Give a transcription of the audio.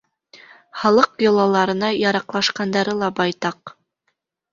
Халыҡ йолаларына яраҡлашҡандары ла байтаҡ.